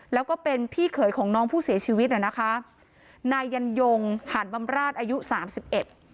แล้วก็เป็นพี่เขยของน้องผู้เสียชีวิตน่ะนะคะนายยันยงหาดบำราชอายุสามสิบเอ็ด